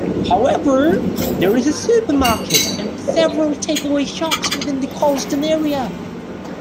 However, there is a supermarket and several take-away shops within the Colston area.